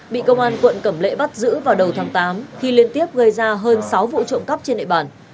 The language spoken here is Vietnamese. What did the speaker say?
bị công an quận cẩm lệ bắt giữ vào đầu tháng tám khi liên tiếp gây ra hơn sáu vụ trộm cắp trên địa bàn